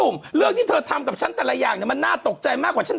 ไม่ต้องจริง